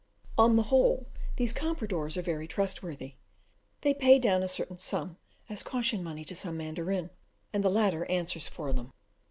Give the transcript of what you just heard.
On the whole, these compradors are very trustworthy. They pay down a certain sum, as caution money, to some mandarin, and the latter answers for them.